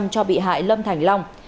cho bị hại lâm thành long